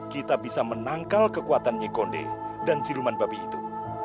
kita bisa menangkal kekuatannya gonde dan siluman babi itu